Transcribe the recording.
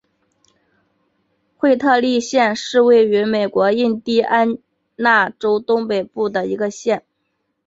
惠特利县是位于美国印第安纳州东北部的一个县。